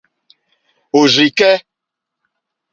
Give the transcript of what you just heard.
Òrzì kɛ́.